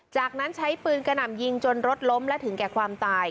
จากนั้นใช้ปืนกระหน่ำยิงจนรถล้มและถึงแก่ความตาย